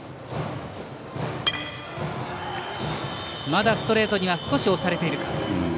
まだストレートには少し押されているか。